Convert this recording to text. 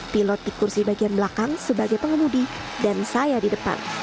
pilot di kursi bagian belakang sebagai pengemudi dan saya di depan